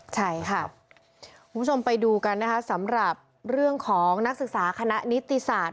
ใช่ค่ะคุณผู้ชมไปดูกันนะคะสำหรับเรื่องของนักศึกษาคณะนิติศาสตร์